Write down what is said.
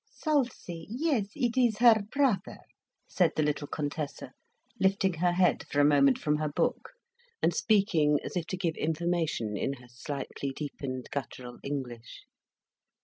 "Salsie, yes, it is her brother," said the little Contessa, lifting her head for a moment from her book, and speaking as if to give information, in her slightly deepened, guttural English.